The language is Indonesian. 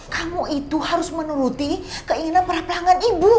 kamu itu harus menuruti keinginan para pelanggan ibu